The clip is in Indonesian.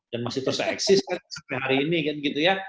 dan masih terus eksis kan sehari ini